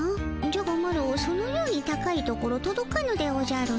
じゃがマロそのように高い所とどかぬでおじゃる。